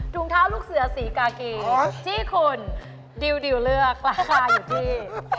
เท้าลูกเสือสีกากีที่คุณดิวเลือกราคาอยู่ที่